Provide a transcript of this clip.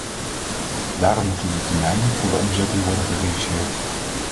Daarom moeten de termijnen voor de omzetting worden gereduceerd.